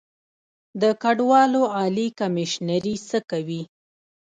د کډوالو عالي کمیشنري څه کوي؟